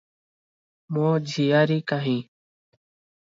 ମୋ ଝିଆରୀ କାହିଁ?